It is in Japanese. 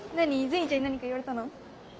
善意ちゃんに何か言われたの？